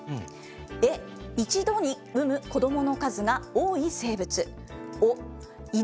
エ、一度に産む子どもの数が多い生物。